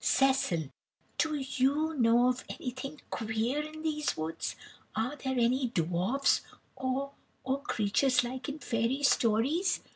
"Cecil, do you know of anything queer in these woods? Are there any dwarfs or or creatures like in fairy stories?